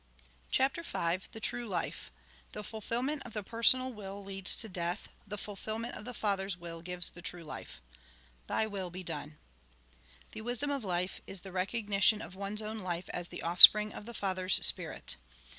CHAPTER V THE TRUE LIFE The fulfilment of the personal will leads to death; the fulfilment of the Father's will giues the true life ("ZM will be Oone") The wisdom of life is, the recognition of one's own life as the offspring of the Father's Spirit.